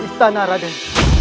isis karena raden